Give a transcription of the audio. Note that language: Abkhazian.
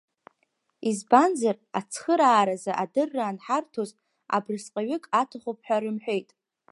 Избанзар, ацхырааразы адырра анҳарҭоз абрысҟаҩык аҭахуп ҳәа рымҳәеит.